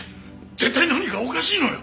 絶対何かおかしいのよ！